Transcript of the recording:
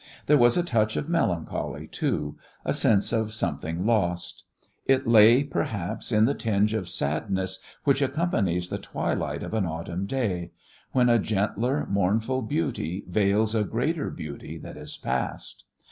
There was a touch of melancholy, too, a sense of something lost. It lay, perhaps, in that tinge of sadness which accompanies the twilight of an autumn day, when a gentler, mournful beauty veils a greater beauty that is past.